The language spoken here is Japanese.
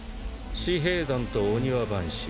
私兵団と御庭番衆